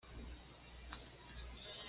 С Кем Ты?